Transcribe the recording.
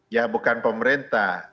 ya bukan pemerintah